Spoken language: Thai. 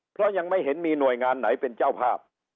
เพราะยังไม่เห็นมีหน่วยงานไหนเป็นเจ้าภาพ